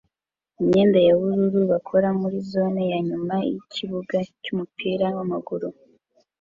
imyenda yubururu bakora muri zone yanyuma yikibuga cyumupira wamaguru